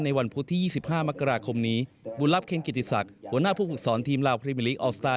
วันพุธที่๒๕มกราคมนี้บุญลับเคนกิติศักดิ์หัวหน้าผู้ฝึกสอนทีมลาวพรีมิลิกออกสไตล